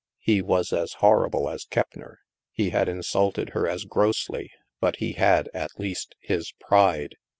He was as horrible as Keppner, he had insulted her as grossly, but he had, at least, his pride.